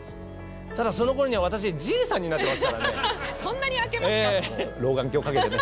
ただ、そのころには私じいさんになってますからね。